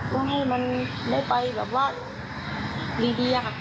เพื่อให้มันได้ไปแบบว่าดีค่ะ